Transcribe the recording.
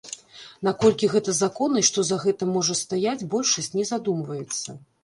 Наколькі гэта законна і што за гэтым можа стаяць, большасць не задумваецца.